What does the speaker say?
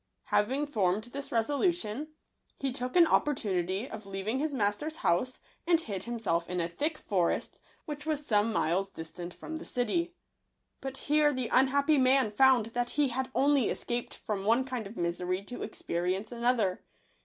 Having formed this resolution, he took an op portunity of leaving his master's house, and hid himself in a thick forest, which was some miles distant from the city. But here the un happy man found that he had only escaped from one kind of misery to experience another.